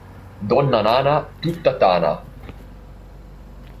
Donna nana, tutta tana.